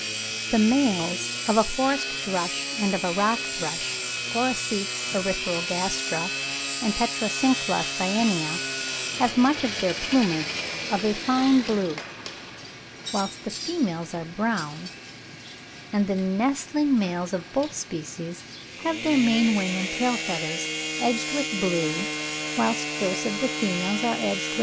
(46. Audubon, 'Ornith. Biography,' vol. i. p. 113.) The males of a forest thrush and of a rock thrush (Orocetes erythrogastra and Petrocincla cyanea) have much of their plumage of a fine blue, whilst the females are brown; and the nestling males of both species have their main wing and tail feathers edged with blue whilst those of the female are edged with brown.